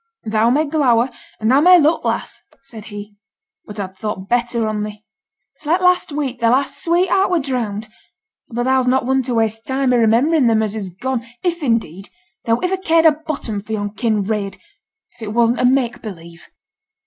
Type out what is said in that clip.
'Thou may glower an' thou may look, lass,' said he, 'but a'd thought better on thee. It's like last week thy last sweetheart were drowned; but thou's not one to waste time i' rememberin' them as is gone if, indeed, thou iver cared a button for yon Kinraid if it wasn't a make believe.'